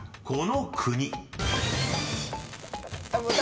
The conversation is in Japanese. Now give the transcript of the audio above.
［この国］